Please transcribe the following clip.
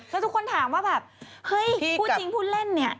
แล้วทุกคนถามว่าแบบเฮ้ยพูดจริงพูดเล่นเนี่ย